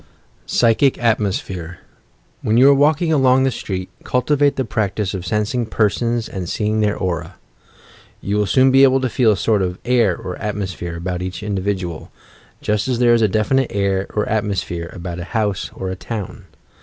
PSYCHIC ATMOSPHEHE When you are walking along the street, cultivate the practice of sensing persons, and seeing their aura. You will soon be able to feel a sort of air or atmosphere about each individual — just as there is a definite air or at mosphere about a house or a town.